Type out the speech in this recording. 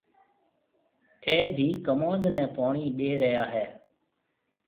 اَي ڀِي ڪموُند نَي پوڻِي ڏيَ ريا هيَ۔